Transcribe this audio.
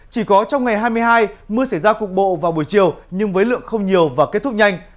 chỉ có trong ngày hai mươi hai mưa xảy ra cục bộ vào buổi chiều nhưng với lượng không nhiều và kết thúc nhanh